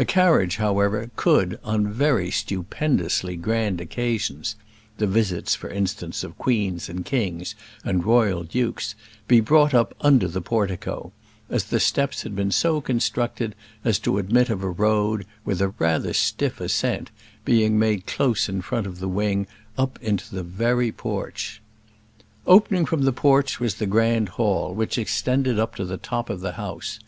A carriage, however, could on very stupendously grand occasions the visits, for instance, of queens and kings, and royal dukes be brought up under the portico; as the steps had been so constructed as to admit of a road, with a rather stiff ascent, being made close in front of the wing up into the very porch. Opening from the porch was the grand hall, which extended up to the top of the house.